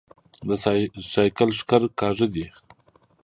د سايکل ښکر کاژه دي